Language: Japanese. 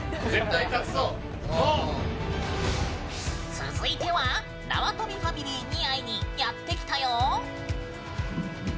続いてはなわとびファミリーに会いにやってきたよー！